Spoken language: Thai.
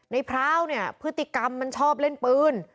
พร้าวเนี่ยพฤติกรรมมันชอบเล่นปืน